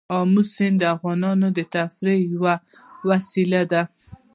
آمو سیند د افغانانو د تفریح یوه وسیله ده.